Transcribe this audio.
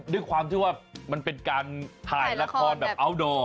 ด้วยความที่ว่ามันเป็นการถ่ายละครแบบอัลดอร์